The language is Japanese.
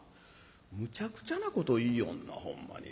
むちゃくちゃなこと言いよんなほんまに。